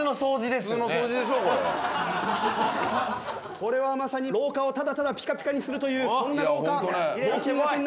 これはまさに廊下をただただピカピカにするという。